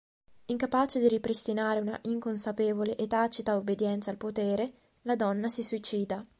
Incapace di ripristinare una "inconsapevole" e tacita obbedienza al potere, la "Donna" si suicida.